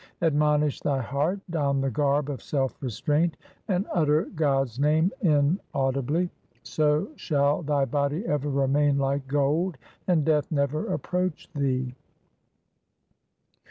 Admonish thy heart, don the garb of self restraint, and utter God's name inaudibly, So shall thy body ever remain like gold, and Death never approach thee.